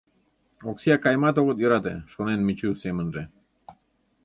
«Оксий акайымат огыт йӧрате», — шонен Мичу семынже...